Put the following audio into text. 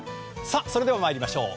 それでは参りましょう。